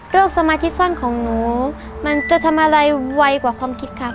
สมาธิสั้นของหนูมันจะทำอะไรไวกว่าความคิดครับ